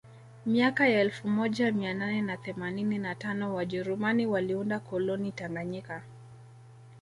Miaka ya elfu moja mia nane na themanini na tano wajerumani waliunda koloni Tanganyika